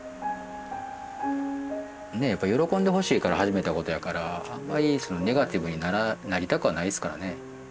喜んでほしいから始めたことやからあんまりネガティブになりたくはないですからね。